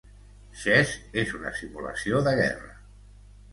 Chess és una simulació de guerra.